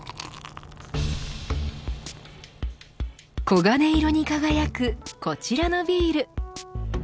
黄金色に輝くこちらのビール。